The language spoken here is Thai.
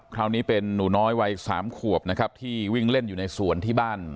คราวนี้เป็นหนูน้อยวัยสามขวบนะครับที่วิ่งเล่นอยู่ในสวนที่บ้าน